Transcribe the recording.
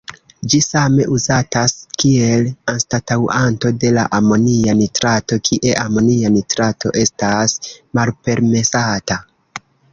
Ĝi same uzatas kiel anstataŭanto de la amonia nitrato, kie amonia nitrato estas malpermesata.